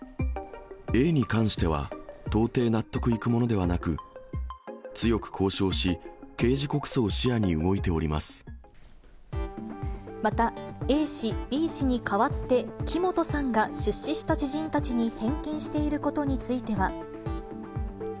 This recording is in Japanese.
Ａに関しては、到底納得いくものではなく、強く交渉し、刑事告訴を視野に動またＡ氏、Ｂ氏に代わって、木本さんが出資した知人たちに返金していることについては。